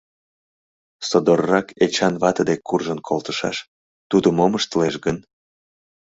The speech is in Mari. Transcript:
Содоррак Эчан вате дек куржын колтышаш, тудо мом ыштылеш гын?